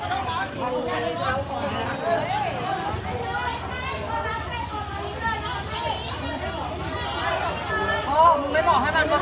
หม่อนไม่เก็ต